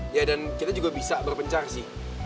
ya dan kita juga bisa berpencar sih